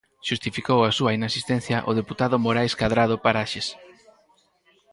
Xustificou a súa inasistencia o deputado Morais Cadrado Paraxes.